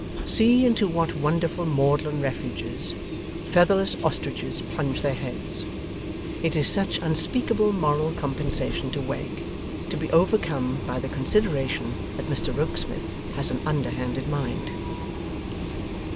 See into what wonderful maudlin refuges, featherless ostriches plunge their heads! It is such unspeakable moral compensation to Wegg, to be overcome by the consideration that Mr Rokesmith has an underhanded mind!